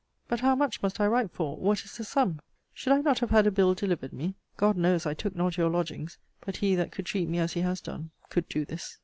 But how much must I write for? What is the sum? Should I not have had a bill delivered me? God knows, I took not your lodgings. But he that could treat me as he has done, could do this!